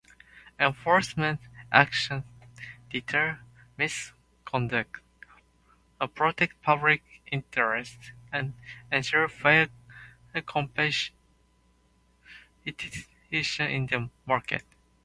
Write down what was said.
Enforcement actions deter misconduct, protect public interests, and ensure fair competition in the market.